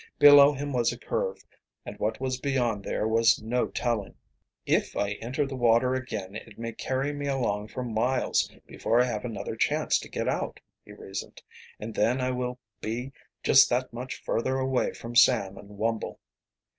Below him was a curve, and what was beyond there was no telling. "If I enter the water again it may carry me along for miles before I have another chance to get out," he reasoned. "And then I will be just that much further away from Sam and Wumble."